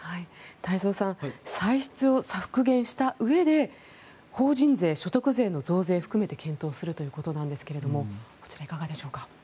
太蔵さん歳出を削減したうえで法人税、所得税の増税含めて検討するということですがこちらいかがでしょうか。